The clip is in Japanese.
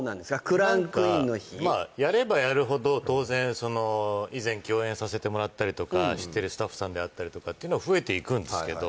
クランクインの日何かまあ当然その以前共演させてもらったりとか知ってるスタッフさんであったりとかっていうのは増えていくんですけど